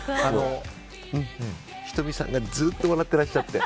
仁美さんがずっと笑ってらっしゃって。